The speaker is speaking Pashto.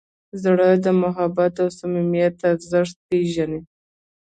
زړه د محبت او صمیمیت ارزښت پېژني.